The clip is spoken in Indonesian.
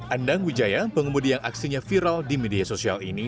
endang wijaya pengemudi yang aksinya viral di media sosial ini